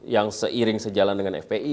yang seiring sejalan dengan fpi